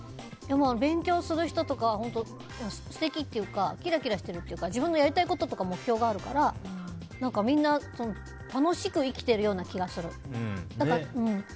勉強する人とか素敵っていうかキラキラしてるっていうか自分がやりたいこととか目標があるからみんな楽しく生きてるような気がする。